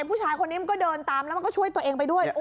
ผู้ชายคนนี้มันก็เดินตามแล้วมันก็ช่วยตัวเองไปด้วย